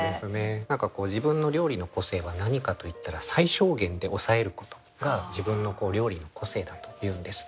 何か自分の料理の個性は何かといったら最小限で抑えることが自分の料理の個性だというんです。